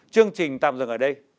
chương trình tạm dừng ở đây